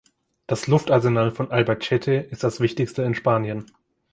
Das Luftarsenal von Albacete ist das wichtigste in Spanien.